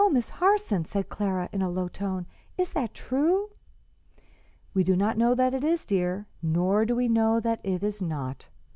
'" "Oh, Miss Harson!" said Clara, in a low tone. "Is that true?" "We do not know that it is, dear, nor do we know that it is not.